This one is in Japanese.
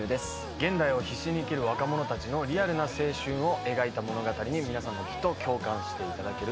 現代を必死に生きる若者たちのリアルな青春を描いた物語に皆さんもきっと共感していただけると思います。